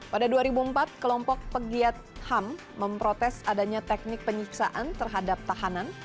pada dua ribu empat kelompok pegiat ham memprotes adanya teknik penyiksaan terhadap tahanan